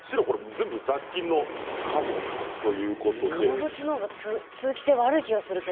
全部雑菌の数ということです。